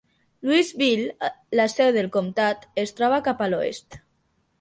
Louisville, la seu del comtat, es troba cap a l'oest.